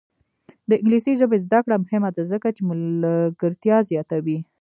د انګلیسي ژبې زده کړه مهمه ده ځکه چې ملګرتیا زیاتوي.